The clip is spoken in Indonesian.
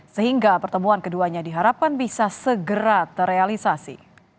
sehingga pertemuan keduanya diharapkan bisa segera terrealisasi